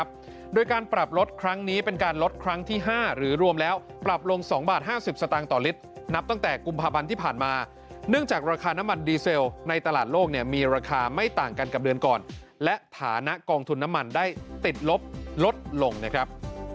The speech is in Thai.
๒บาท๕๐สตางค์ต่อลิตรนับตั้งแต่กุมภาพันธ์ที่ผ่านมาเนื่องจากราคาน้ำมันดีเซลในตลาดโลกเนี่ยมีราคาไม่ต่างกันกับเดือนก่อนและฐานะกองทุนน้ำมันได้ติดลบลดลงนะครับ